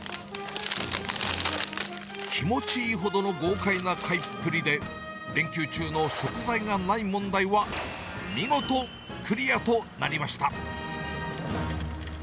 気持ちいいほどの豪快な買いっぷりで、連休中の食材がない問題は見事クリアとなりました。